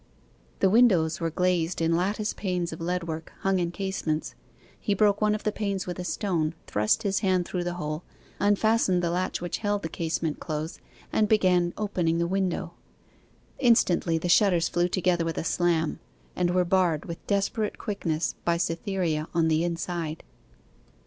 The windows were glazed in lattice panes of leadwork, hung in casements. He broke one of the panes with a stone, thrust his hand through the hole, unfastened the latch which held the casement close, and began opening the window. Instantly the shutters flew together with a slam, and were barred with desperate quickness by Cytherea on the inside.